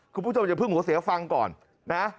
คุณผู้ชมอย่าเพิ่งหัวเสียฟังก่อนนะ